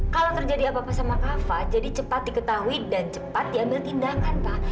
kalau terjadi apa apa sama kava jadi cepat diketahui dan cepat diambil tindakan pak